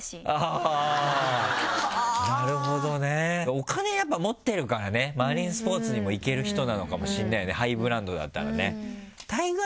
なるほどねお金やっぱ持ってるからねマリンスポーツにも行ける人なのかもしれないよねハイブランドだったらね。